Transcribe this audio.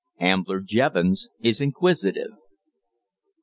AMBLER JEVONS IS INQUISITIVE.